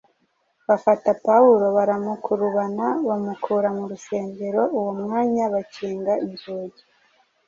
Bafata Pawulo, baramukurubana bamukura mu rusengero: uwo mwanya bakinga inzugi.”